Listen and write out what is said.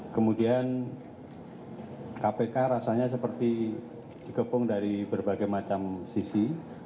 kemudian kpk rasanya seperti dikepung dari berbagai macam sisi